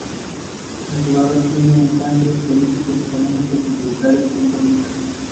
Ellen es la dominante y egoísta hermana mayor de Becca.